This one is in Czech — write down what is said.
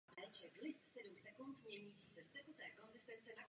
Z Prahy nabízel tento dopravce přímé lety do Barcelony.